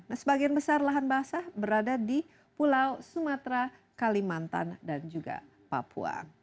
nah sebagian besar lahan basah berada di pulau sumatera kalimantan dan juga papua